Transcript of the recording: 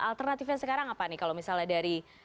alternatifnya sekarang apa nih kalau misalnya dari